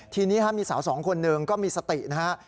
ทีนี้มีสาวสองคนหนึ่งก็มีสตินะฮะ